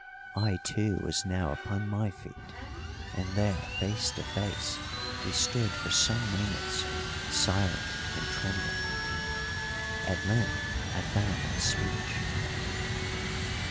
I too was now upon my feet, and there face to face we stood for some moments, silent and trembling. At length I found my speech.